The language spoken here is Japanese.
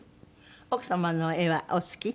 奥様の絵はお好き？